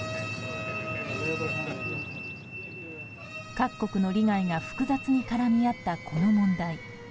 各国の利害が複雑に絡み合ったこの問題。